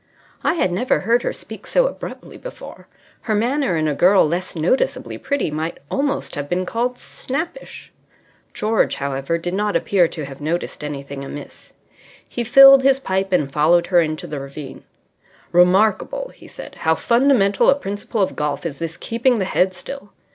I had never heard her speak so abruptly before. Her manner, in a girl less noticeably pretty, might almost have been called snappish. George, however, did not appear to have noticed anything amiss. He filled his pipe and followed her into the ravine. "Remarkable," he said, "how fundamental a principle of golf is this keeping the head still.